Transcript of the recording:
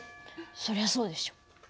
そりゃそうでしょ。